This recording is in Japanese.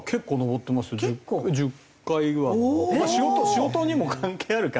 仕事にも関係あるから。